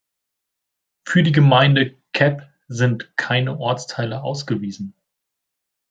Für die Gemeinde Cep sind keine Ortsteile ausgewiesen.